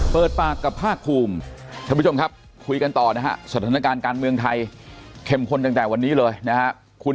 เปิดปากกับภาคภูมิท่านผู้ชมครับคุยกันต่อนะฮะสถานการณ์การเมืองไทยเข้มข้นตั้งแต่วันนี้เลยนะฮะ